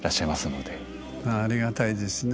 ありがたいですね。